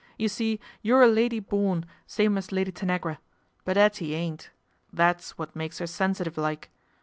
You see you're a lady born, same as Lady Tanagra ; but 'Ettie ain't. That's what makes 'er sensitive like.